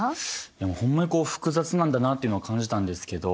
ほんまに複雑なんだなっていうのは感じたんですけど